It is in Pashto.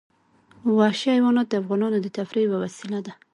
وحشي حیوانات د افغانانو د تفریح یوه وسیله ده.